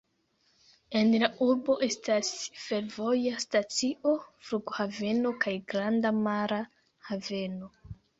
En la urbo estas fervoja stacio, flughaveno kaj granda mara haveno.